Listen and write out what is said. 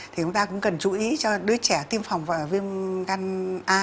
thì chúng ta cũng cần chú ý cho đứa trẻ tiêm phòng viêm gan a